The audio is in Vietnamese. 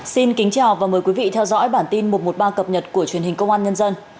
xin kính chào và mời quý vị theo dõi bản tin một trăm một mươi ba cập nhật của truyền hình công an nhân dân